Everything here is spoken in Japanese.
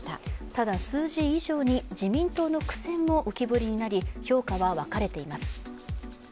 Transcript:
ただ、数字以上に自民党の苦戦も浮き彫りになり評価は分かれています。